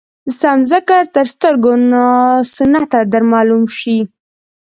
سم ذکر تر سترګو ناسنته در معلوم شي.